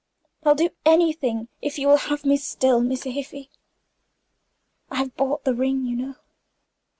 I'll do anything if you will but have me still, Miss Afy. I have bought the ring, you know."